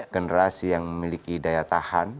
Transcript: generasi yang memiliki daya tahan